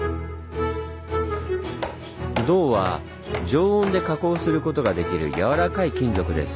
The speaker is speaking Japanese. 銅は常温で加工することができるやわらかい金属です。